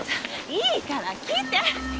いいから来て。